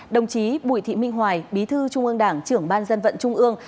đồng chí bùi thị minh hoài bí thư trung ương đảng trưởng ban dân vận trung ương